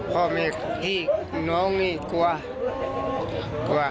พ่อเมฆพี่น้องนี่กลัว